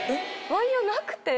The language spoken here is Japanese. ワイヤなくて。